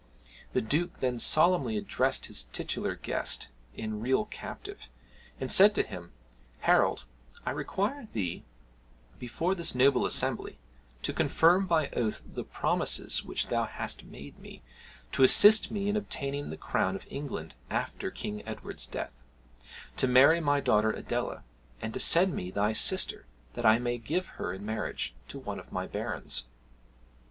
The Duke then solemnly addressed his titular guest and real captive, and said to him, "Harold, I require thee, before this noble assembly, to confirm by oath the promises which thou hast made me, to assist me in obtaining the crown of England after King Edward's death, to marry my daughter Adela, and to send me thy sister, that I may give her in marriage to one of my barons."